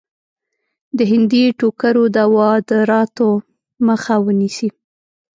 د هندي ټوکرو د وادراتو مخه ونیسي.